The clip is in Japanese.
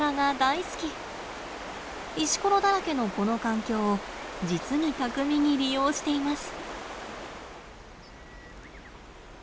石ころだらけのこの環境を実に巧みに利用しています。